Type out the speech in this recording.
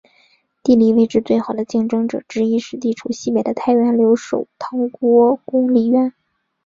地理位置最好的竞争者之一是地处西北的太原留守唐国公李渊。